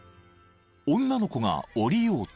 ［女の子が降りようと］